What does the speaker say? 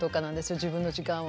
自分の時間は。